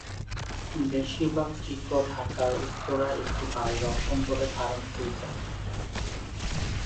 বেশীরভাগ চিত্র ঢাকার উত্তরায় একটি বাড়ির অভ্যন্তরে ধারণকৃত।